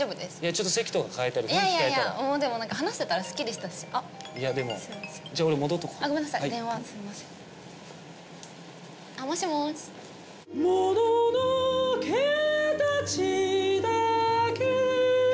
ちょっと席とか替えたり雰囲気変えたらでも話してたらすっきりしたしいやでもじゃあ俺戻っとくごめんなさい電話すいませんあっもしもし「もののけ達だけ」